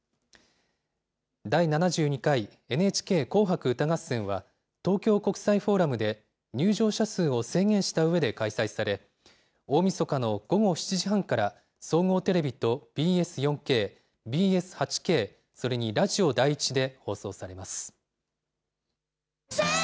第７２回ＮＨＫ紅白歌合戦は、東京国際フォーラムで入場者数を制限したうえで開催され、大みそかの午後７時半から総合テレビとＢＳ４Ｋ、ＢＳ８Ｋ、それにラジオ第１で放送されます。